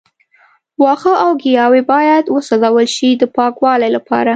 وښه او ګیاوې باید وسوځول شي د پاکوالي لپاره.